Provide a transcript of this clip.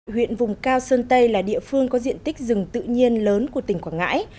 huyện vùng cao sơn tây là địa phương có diện tích rừng tự nhiên lớn của tỉnh quảng ngãi